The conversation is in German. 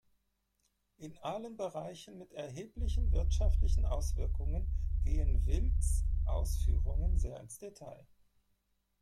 In allen Bereichen mit erheblichen wirtschaftlichen Auswirkungen gehen Wilds Ausführungen sehr ins Detail.